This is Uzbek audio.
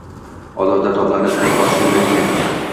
Olovda toblanib, qo’rg’oshinlangan